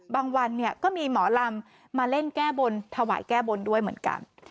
วันเนี่ยก็มีหมอลำมาเล่นแก้บนถวายแก้บนด้วยเหมือนกัน